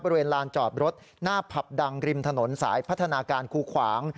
บริเวณลานจอดรถหน้าผับดังริมถนนสายพัฒนาการคูขวาง